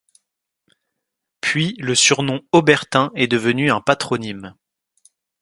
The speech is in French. Puis le surnom Aubertin est devenu un patronyme.